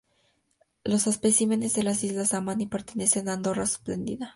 Los especímenes de las Islas Amami pertenecen a "Odorrana splendida".